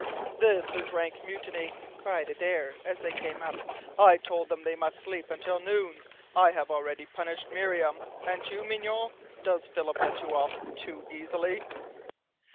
"This is rank mutiny!" cried Adare, as they came up. "I told them they must sleep until noon. I have already punished Miriam. And you, Mignonne? Does Philip let you off too easily?"